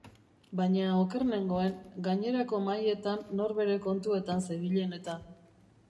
Baina oker nengoen, gainerako mahaietan nor bere kontuetan zebilen eta.